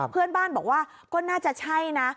เพื่อนบ้านบอกว่าก็น่าจะใช่นะ